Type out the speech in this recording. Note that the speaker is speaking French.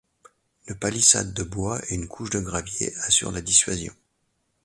Une palissade de bois et une couche de gravier assurent la dissuasion.